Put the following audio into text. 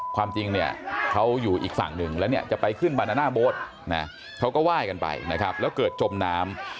ความจริงเนี่ยเขาอยู่อีกฝั่งหนึ่งแล้วเนี่ยจะไปขึ้นบานาน่าโบ๊ทนะเขาก็ไหว้กันไปนะครับแล้วเกิดจมน้ำ